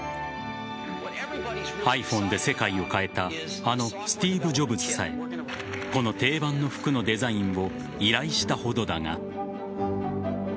ｉＰｈｏｎｅで世界を変えたあのスティーブ・ジョブズさえこの定番の服のデザインを依頼したほどだが。